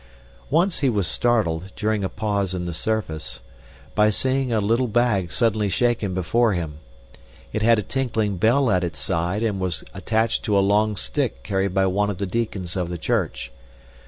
Once he was startled, during a pause in the service, by seeing a little bag suddenly shaken before him. It had a tinkling bell at its side and was attached to a long stick carried by one of the deacons of the church.